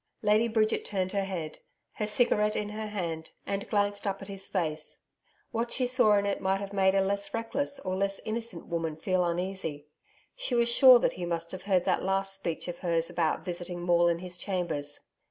Lady Bridget turned her head, her cigarette in her hand, and glanced up at his face. What she saw in it might have made a less reckless or less innocent woman feel uneasy. She was sure that he must have heard that last speech of hers about visiting Maule in his chambers.